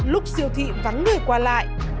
lúc siêu thị vắng người qua lại